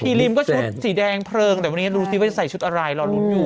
ริมก็ชุดสีแดงเพลิงแต่วันนี้ดูสิว่าจะใส่ชุดอะไรรอลุ้นอยู่